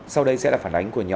sau đây sẽ là phản ánh của nhà ở